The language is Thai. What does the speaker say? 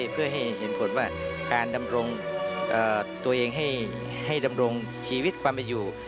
เพื่อให้เห็นผลว่าการดำรงตัวเองให้ดำรงชีวิตความเป็นอยู่